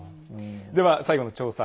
では最後の調査項目。